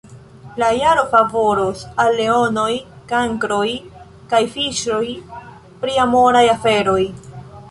La jaro favoros al Leonoj, Kankroj kaj Fiŝoj pri amoraj aferoj.